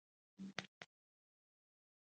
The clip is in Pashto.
هېواد د غرو تر منځ ساه لري.